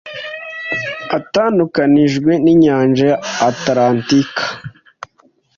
itandukanijwe n’inyanja ya Atalantika